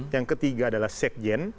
yang ketiga adalah sekjen